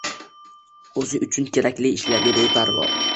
o‘zi uchun kerakli ishlarga beparvo.